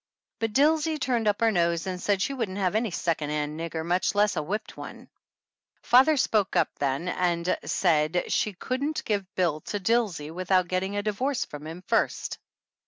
But Dilsey turned up her nose and said she wouldn't have any second hand nigger, much less a whipped one. Father spoke up then and said she couldn't give Bill to Dilsey without getting a divorce from him first.